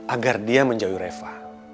agar dia menjauhi reva